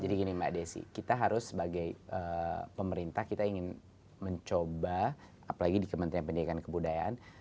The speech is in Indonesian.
jadi gini mbak desy kita harus sebagai pemerintah kita ingin mencoba apalagi di kementerian pendidikan dan kebudayaan